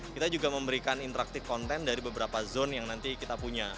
kita juga memberikan interaktif konten dari beberapa zone yang nanti kita punya